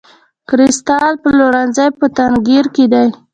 کریستال پلورونکی په تنګیر کې دی.